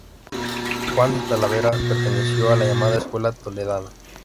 Juan de Talavera perteneció a la llamada escuela toledana.